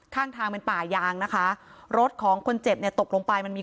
ข้างทางเป็นป่ายางนะคะรถของคนเจ็บเนี่ยตกลงไปมันมี